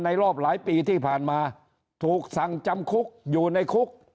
รอบหลายปีที่ผ่านมาถูกสั่งจำคุกอยู่ในคุก